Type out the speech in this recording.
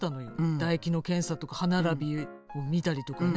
だ液の検査とか歯並びを診たりとかね。